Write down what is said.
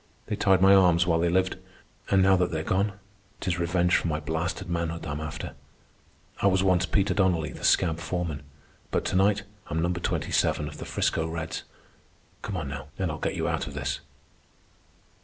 They tied my arms while they lived. And now that they're gone, 'tis revenge for my blasted manhood I'm after. I was once Peter Donnelly, the scab foreman. But to night I'm Number 27 of the 'Frisco Reds. Come on now, and I'll get you out of this."